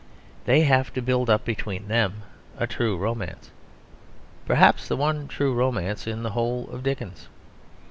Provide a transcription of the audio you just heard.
They have to build up between them a true romance; perhaps the one true romance in the whole of Dickens.